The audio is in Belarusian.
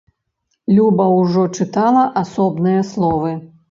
Люба ўжо чытала асобныя словы.